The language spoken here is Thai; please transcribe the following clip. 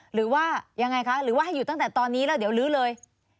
หรือว่ายังไงคะหรือว่าให้อยู่ตั้งแต่ตอนนี้แล้วเดี๋ยวลื้อเลย